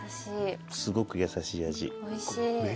すごく優しい味。